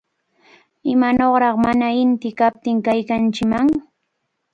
¡Imanawraq mana inti kaptin kaykanchikman!